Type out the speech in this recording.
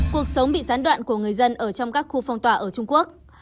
cuộc sống bị gián đoạn của người dân ở trong các khu phong tỏa ở trung quốc